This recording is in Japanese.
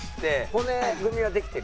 骨組みはできてる。